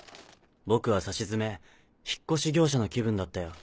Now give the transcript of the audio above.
僕はさしずめ引っ越し業者の気分だったよ。